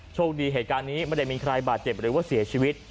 โชคดีเหตุการณ์นี้ไม่ได้มีใครบาดเจ็บหรือว่าเสียชีวิต